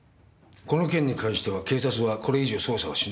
この件に関しては警察はこれ以上捜査をしない。